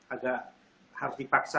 agak harus dipaksa